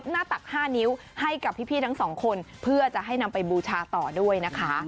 ตัก๕นิ้วให้กับพี่ทั้งสองคนเพื่อจะให้นำไปบูชาต่อด้วยนะคะ